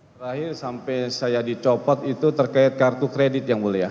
terakhir sampai saya dicopot itu terkait kartu kredit yang mulia